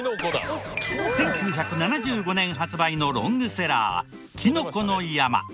１９７５年発売のロングセラーきのこの山。